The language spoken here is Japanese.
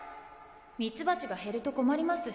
ミツバチが減ると困ります。